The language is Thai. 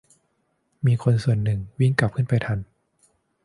มีคนส่วนหนึ่งวิ่งกลับขึ้นไปทัน